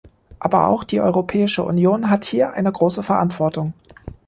Aber auch die Europäische Union hat hier eine große Verantwortung.